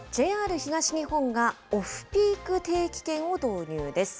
ＪＲ東日本がオフピーク定期券を導入です。